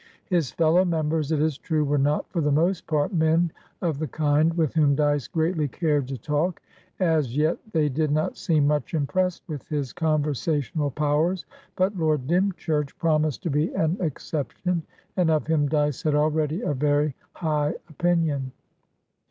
His fellow members, it is true, were not, for the most part, men of the kind with whom Dyce greatly cared to talk; as yet, they did not seem much impressed with his conversational powers; but Lord Dymchurch promised to be an exception, and of him Dyce had already a very high opinion.